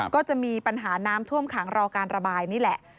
ก็จะมีปัญหาน้ำท่วมขังรอการระบายนี่แหละ